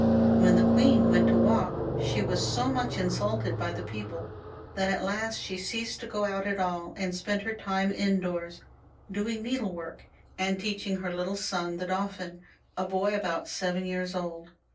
When the queen went to walk, she was so much insulted by the people that at last she left off going out at all, and spent her time indoors, doing needlework and teaching her little son, the Dauphin, a boy of about seven years old.